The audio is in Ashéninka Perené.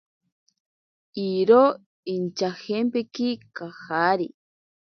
Iro inchajempeki kajari.